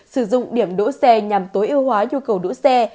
sử dụng điểm đỗ xe nhằm tối ưu hóa nhu cầu đỗ xe